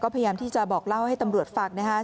พยายามที่จะบอกเล่าให้ตำรวจฟังนะครับ